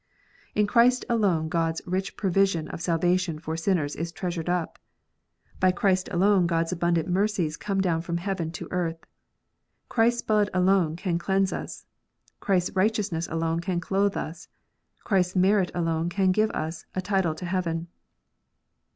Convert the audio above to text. In Christ alone God s rich provision of salvation for sinners is treasured up : by Christ alone God s abundant mercies come down from heaven to earth. Christ s blood alone can cleanse us; Christ s righteousness alone can clothe us; Christ s merit alone can give us a title to heaven.